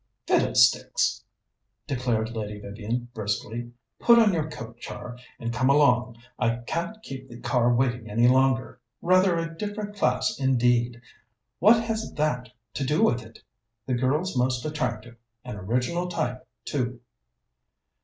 "Fiddlesticks!" declared Lady Vivian briskly. "Put on your coat, Char, and come along. I can't keep the car waiting any longer. Rather a different class indeed! What has that to do with it? The girl's most attractive an original type, too."